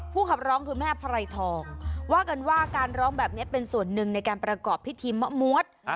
ขับร้องคือแม่ไพรทองว่ากันว่าการร้องแบบนี้เป็นส่วนหนึ่งในการประกอบพิธีมะมวด